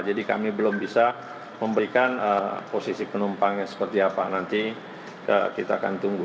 jadi kami belum bisa memberikan posisi penumpangnya seperti apa nanti kita akan tunggu